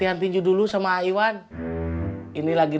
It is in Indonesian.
ada luar ga pujian